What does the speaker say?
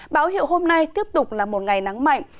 báo hiệu hôm nay tiếp tục là một ngày nắng mạnh